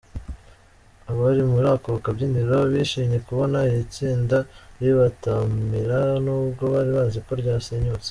Abari muri aka kabyiniro bishimiye kubona iri tsinda ribataramira nubwo bari bazi ko ryasenyutse.